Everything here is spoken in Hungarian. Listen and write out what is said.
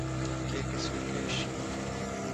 Kérge szürke és sima.